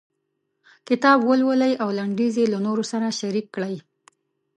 کتاب ولولئ او لنډيز یې له نورو سره شريک کړئ.